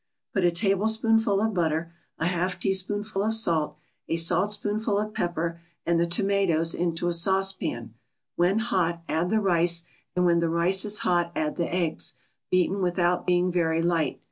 Put a tablespoonful of butter, a half teaspoonful of salt, a saltspoonful of pepper and the tomatoes into a saucepan; when hot add the rice, and when the rice is hot add the eggs, beaten without being very light.